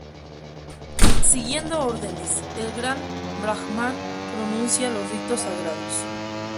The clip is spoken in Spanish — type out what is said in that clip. Siguiendo órdenes, el Gran Brahman pronuncia los ritos sagrados.